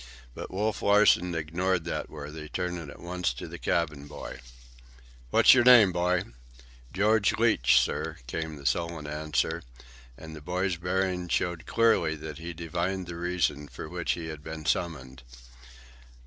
But Wolf Larsen ignored that worthy, turning at once to the cabin boy. "What's your name, boy?" "George Leach, sir," came the sullen answer, and the boy's bearing showed clearly that he divined the reason for which he had been summoned.